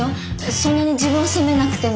そんなに自分を責めなくても。